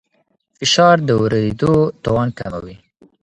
فشار د اورېدو توان کموي.